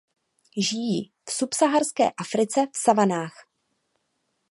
Žijí v subsaharské Africe v savanách.